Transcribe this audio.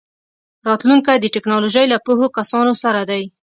راتلونکی د ټیکنالوژۍ له پوهو کسانو سره دی.